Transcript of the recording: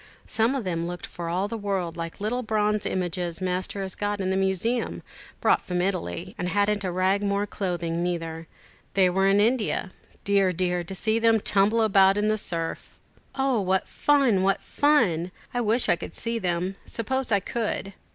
Some of them looked for all the world like the little bronze images Master has got in the museum, brought from Italy, and hadn't a rag more clothing neither. They were in India. Dear, dear, to see them tumble about in the surf!" "O, what fun! what fun! I wish I could see them. Suppose I could."